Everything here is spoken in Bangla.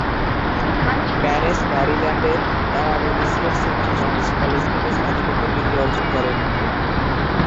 ম্যানেস ম্যারিল্যান্ডের অ্যানাপোলিসের সেন্ট জন'স কলেজ থেকে স্নাতকোত্তর ডিগ্রি অর্জন করেন।